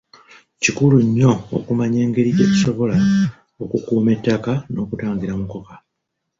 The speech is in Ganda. Kikulu nnyo okumanya engeri gye tusobola okukuuma ettaka n'okutangira mukoka